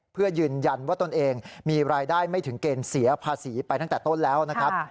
เพื่อยืนยันว่าตนเองมีรายได้ไม่ถึงเกณฑ์เสียภาษีไปตั้งแต่ต้นแล้วนะครับ